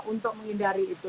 untuk menghindari itu